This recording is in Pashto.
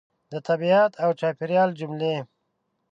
د طبیعت او چاپېریال جملې